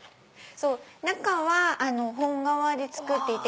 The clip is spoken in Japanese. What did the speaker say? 中は本革で作っていて。